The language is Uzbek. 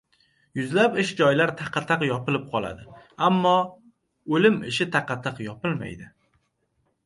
Yuzlab ish joylar taqa-taq yopilib qoladi. Ammo... o‘lim ishi taqa-taq yopilmaydi!